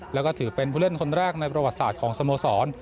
แล้วก็ถือเป็นผู้เล่นคนแรกในประวัติศาสตร์ของสโมสร